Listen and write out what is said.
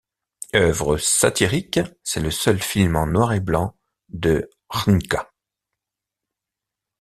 Œuvre satirique, c'est le seul film en noir et blanc de Trnka.